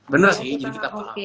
bener sih jadi kita penganggur